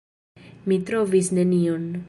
Mi trovis nenion.